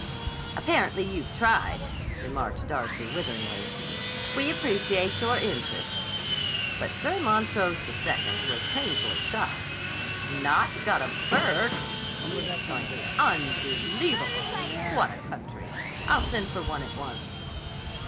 "Apparently you've tried," remarked Darcy witheringly. "We appreciate your interest." But Sir Montrose II was painfully shocked. "Not got a Burke!" he exclaimed. "Unbelievable! What a country! I'll send for one, at once."